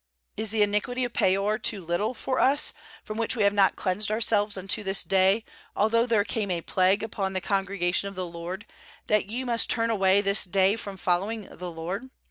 17Is the iniquity of Peor too little for us, from which we have not cleansed ourselves unto this day, although there came a plague upon the congregation of the LORD, 18that ye must turn away this day from following the LORD?